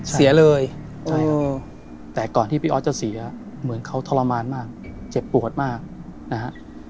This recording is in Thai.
เสียเลยแต่ก่อนที่พี่ออสจะเสียเหมือนเขาทรมานมากเจ็บปวดมากนะฮะ